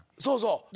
そうそう。